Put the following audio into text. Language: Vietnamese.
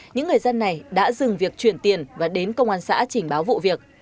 những người dân này đã dừng việc chuyển tiền và đến công an xã trình báo vụ việc